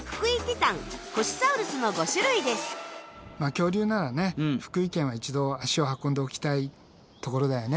恐竜ならね福井県は一度足を運んでおきたいところだよね。